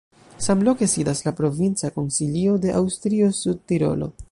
Samloke sidas la provincia konsilio de Aŭstrio-Sudtirolo.